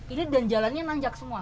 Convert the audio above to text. ini dan jalannya nanjak semua